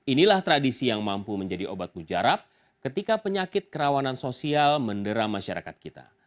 inilah tradisi yang mampu menjadi obat mujarab ketika penyakit kerawanan sosial mendera masyarakat kita